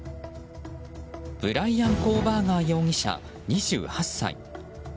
ブライアン・コーバーガー容疑者２８歳。